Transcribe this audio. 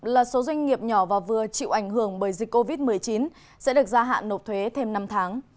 chín mươi ba là số doanh nghiệp nhỏ và vừa chịu ảnh hưởng bởi dịch covid một mươi chín sẽ được gia hạn nộp thuế thêm năm tháng